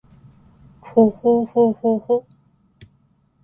ほほほほほっ h